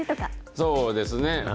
そうですね。